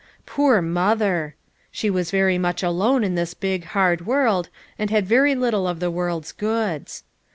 Poor mother! she was very much alone in this big, hard world, and had very little of this world's goods.